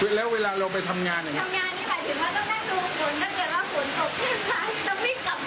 ถ้าปิดไว้แล้วเวลาเราไปทำงานอย่างงี้ทำงานนี่หมายถึงว่าต้องนั่งดูฝน